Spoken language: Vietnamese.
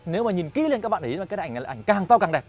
nếu mà nhìn kỹ lên các bạn để ý là cái ảnh này là ảnh càng to càng đẹp